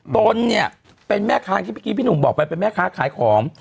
ตนเนี่ยเป็นแม่ค้าที่เมื่อกี้พี่หนุ่มบอกไปเป็นแม่ค้าขายของ